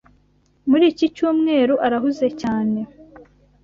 Muri iki cyumweru arahuze cyane.